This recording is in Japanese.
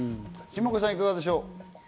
下川さん、いかがでしょう？